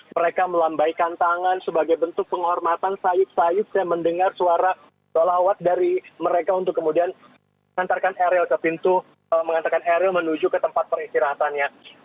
mereka melambaikan tangan sebagai bentuk penghormatan sayup sayup dan mendengar suara dolawat dari mereka untuk kemudian mengantarkan eril ke pintu mengantarkan eril menuju ke tempat peristirahatannya